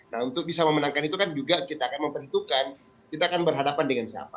nah untuk bisa memenangkan itu kan juga kita akan memperhitungkan kita akan berhadapan dengan siapa